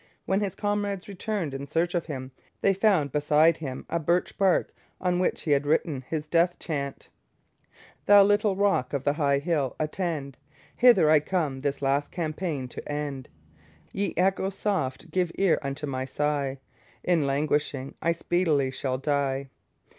When his comrades returned in search of him, they found beside him a birch bark on which he had written his death chant: Thou little rock of the high hill, attend! Hither I come this last campaign to end! Ye echoes soft, give ear unto my sigh; In languishing I speedily shall die.